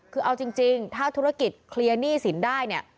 คือเอาจริงถ้าธุรกิจเคลียร์หนี้สินได้เนี่ย